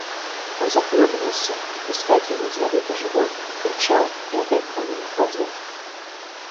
Он захлебывался, выскакивал из воды по живот, кричал и опять тонул в воде.